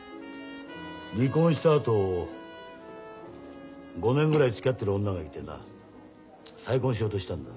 離婚したあと５年ぐらいつきあってる女がいてな再婚しようとしたんだ。